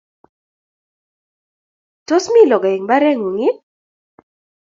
Tos mi logoek mbaret ng'ung' ii?